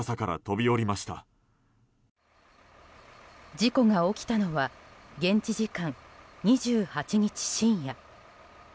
事故が起きたのは現地時間２８日深夜。